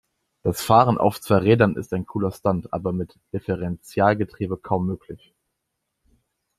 Das Fahren auf zwei Rädern ist ein cooler Stunt, aber mit Differentialgetriebe kaum möglich.